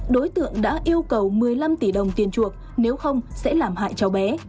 đối tượng đã yêu cầu một mươi năm tỷ đồng tiền chuộc nếu không sẽ làm hại cháu bé